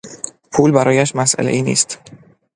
پول برایش مسئلهای نیست.